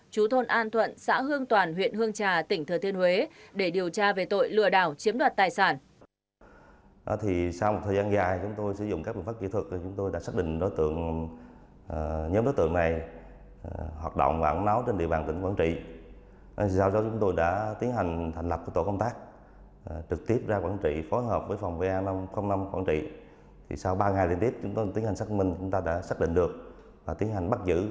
chú thôn an thuận xã hương toàn huyện hương trà tỉnh thừa thiên huế để điều tra về tội lừa đảo chiếm đoạt tài sản